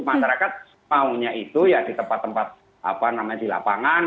masyarakat maunya itu ya di tempat tempat apa namanya di lapangan